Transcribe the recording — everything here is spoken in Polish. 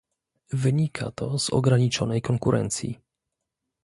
Wynika to z ograniczonej konkurencji